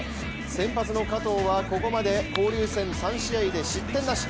先発の加藤はここまで交流戦３試合で失点なし。